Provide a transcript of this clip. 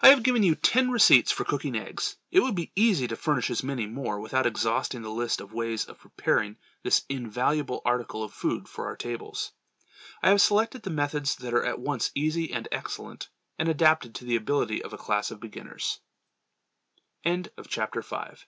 I have given you ten receipts for cooking eggs. It would be easy to furnish as many more without exhausting the list of ways of preparing this invaluable article of food for our tables. I have selected the methods that are at once easy and excellent, and adapted to the ability of a class of beginners. 6 BROILED MEATS.